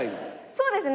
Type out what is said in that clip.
そうですね。